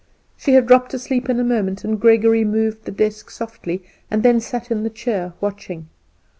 She had dropped asleep in a moment, and Gregory moved the desk softly, and then sat in the chair watching.